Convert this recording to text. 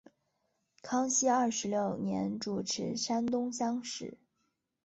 康熙二十六年主持山东乡试。